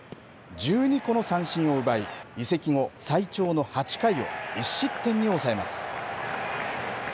１２個の三振を奪い移籍後最長の８回を１失点に抑えます。